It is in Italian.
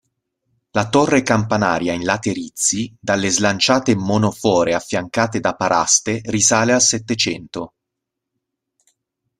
La torre campanaria in laterizi, dalle slanciate monofore affiancate da paraste, risale al Settecento.